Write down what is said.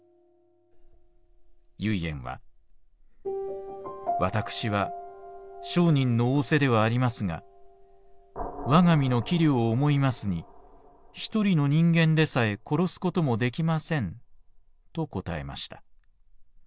「唯円は『私は聖人の仰せではありますが我が身の器量を思いますに一人の人間でさえ殺すこともできません』と答えました。